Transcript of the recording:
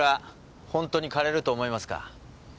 本当に枯れると思いますか？